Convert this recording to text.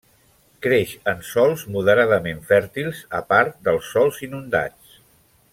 Creix en sòls moderadament fèrtils a part dels sòls inundats.